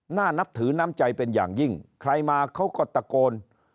นับถือน้ำใจเป็นอย่างยิ่งใครมาเขาก็ตะโกน